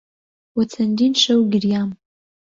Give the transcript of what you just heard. بۆ چەندین شەو گریام.